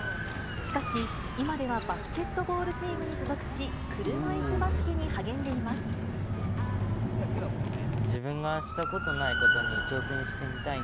しかし、今ではバスケットボールチームに所属し、車いすバスケに自分がしたことないことに挑